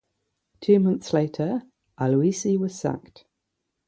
Two months later Aloisi was sacked.